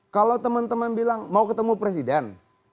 kalau teman teman bilang mau ketemu presiden